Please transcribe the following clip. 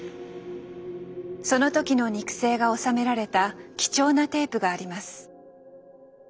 その時の肉声が収められた貴重なテープがあります。